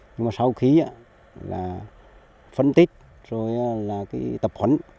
nhưng mà sau khi là phân tích rồi là cái tập huấn